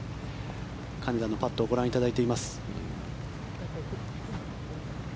金田のパットをご覧いただいています。